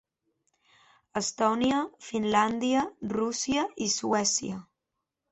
Estònia, Finlàndia, Rússia i Suècia.